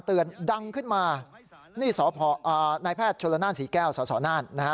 เตือนดังขึ้นมานี่สอนายแพทย์โชฬานาล์ศีแก้วสอนะฮะ